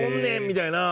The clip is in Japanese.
みたいな。